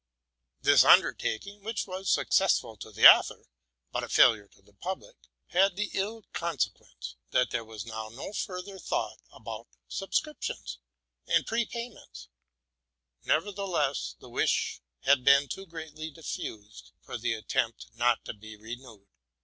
This undertaking, which was successful to the author, but a failure to the public, had the ill consequence, that there was now no further thought about subscriptions and prepay ments ; nevertheless, the 'wish had been too generally ditfused for the attempt not to be renewed.